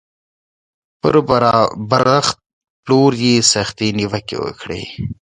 پر برابرښت پلور یې سختې نیوکې وکړې